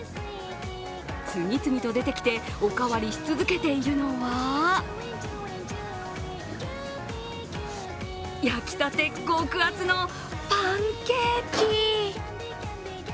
次々と出てきて、おかわりし続けているのは焼きたて極厚のパンケーキ。